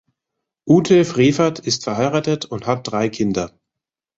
Ute Frevert ist verheiratet und hat drei Kinder.